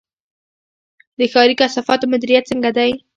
د ښاري کثافاتو مدیریت څنګه دی؟